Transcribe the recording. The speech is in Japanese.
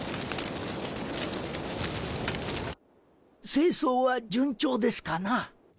清掃は順調ですかな？